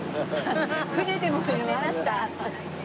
「船でも寝ました」。